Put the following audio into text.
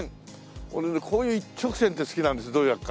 俺ねこういう一直線って好きなんですどういう訳か。